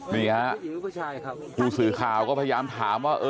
นี่ฮะผู้สื่อข่าวก็พยายามถามว่า